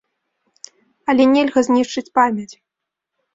Але нельга знішчыць памяць.